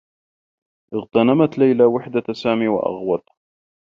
اغتنمت ليلى وحدة سامي و أغوته.